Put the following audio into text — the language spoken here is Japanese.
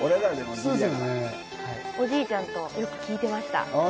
おじいちゃんとよく聴いてました。